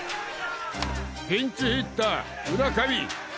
ピンチヒッター浦上！